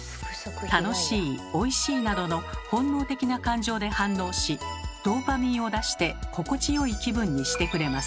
「楽しい」「おいしい」などの本能的な感情で反応しドーパミンを出して心地よい気分にしてくれます。